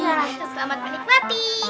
wah selamat menikmati